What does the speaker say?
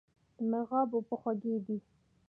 د مرغاب اوبه خوږې دي